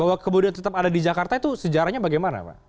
bahwa kemudian tetap ada di jakarta itu sejarahnya bagaimana pak